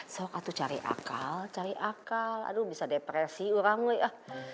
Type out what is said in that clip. sokatu cari akal akal aduh bisa depresi orangnya